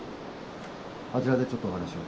あちらでちょっとお話を。